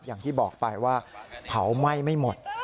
อย่างที่บอกไปว่าเผาไหม้ไม่หมด